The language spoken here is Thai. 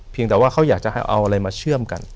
แต่ว่าเขาอยากจะให้เอาอะไรมาเชื่อมกัน